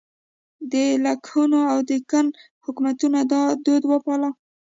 د لکنهو او دکن حکومتونو دا دود وپاله.